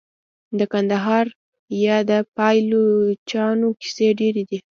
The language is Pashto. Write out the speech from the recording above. د کندهار د پایلوچانو کیسې ډیرې دي.